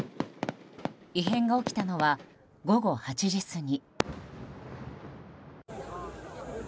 異変が起きたのは午後８時過ぎ。